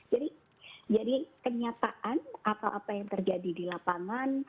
jadi kenyataan apa apa yang terjadi di lapangan